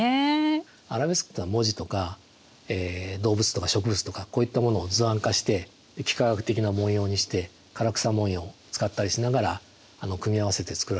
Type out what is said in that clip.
アラベスクとは文字とか動物とか植物とかこういったものを図案化して幾何学的な模様にして唐草模様を使ったりしながら組み合わせて作られたものですね。